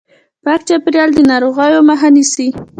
پاک چاپیریال د ناروغیو مخه نیسي.